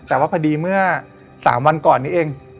แต่ว่าพอดีเมื่อ๓วันก่อนนี้เอง